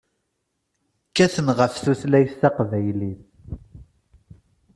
Kkaten ɣef tutlayt taqbaylit.